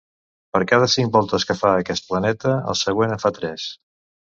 Per cada cinc voltes que fa aquest planeta, el següent en fa tres.